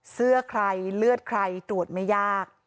เสื้อใครเลือดใครตรวจไม่ยาก